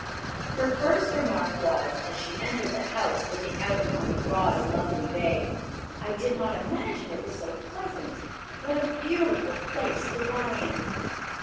Her first remark was, as she entered the house looking out upon the broad and lovely bay, "I did not imagine it was so pleasant! What a beautiful place to die in!"